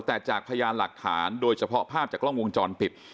แต่จากพยานหลักฐานโดยเฉพาะภาพจากกล้องวงจรปิด